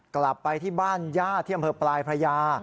กลับไปที่บ้านญาติเที่ยงบรรพรายพระยา